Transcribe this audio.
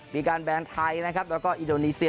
มีการแบนไทยนะครับแล้วก็อินโดนีเซีย